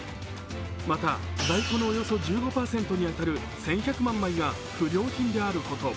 また、在庫のおよそ１５％に当たる１５００万枚は不良品であるとのこと。